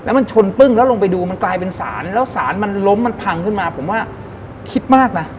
มันชนปึ้งแล้วลงไปดูมันกลายเป็นสารแล้วสารมันล้มมันพังขึ้นมาผมว่าคิดมากนะ